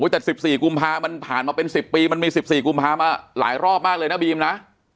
แต่๑๔กุมภามันผ่านมาเป็น๑๐ปีมันมี๑๔กุมภามาหลายรอบมากเลยนะบีมนะ